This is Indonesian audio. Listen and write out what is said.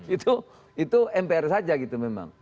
itu mpr saja gitu memang